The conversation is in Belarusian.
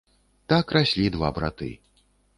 Так раслі два браты.